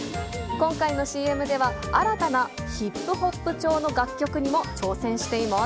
今回のＣＭでは、新たなヒップホップ調の楽曲にも挑戦しています。